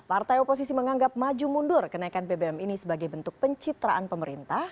partai oposisi menganggap maju mundur kenaikan bbm ini sebagai bentuk pencitraan pemerintah